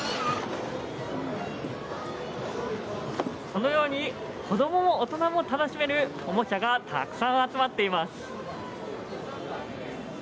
このように子どもも大人も楽しめるおもちゃがたくさん集まっています。